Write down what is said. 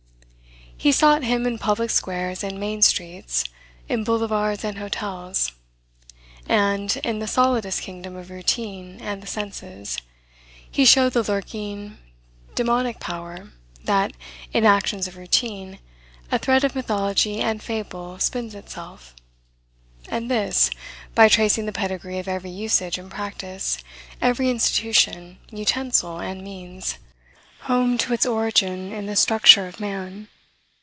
He sought him in public squares and main streets, in boulevards and hotels; and, in the solidest kingdom of routine and the senses, he showed the lurking daemonic power; that, in actions of routine, a thread of mythology and fable spins itself; and this, by tracing the pedigree of every usage and practice, every institution, utensil, and means, home to its origin in the structure of man.